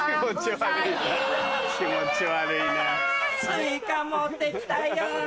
スイカ持ってきたよ。